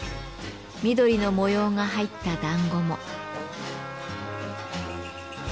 緑の模様が入った団子も。